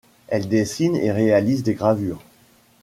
Elle dessine et réalise des gravures.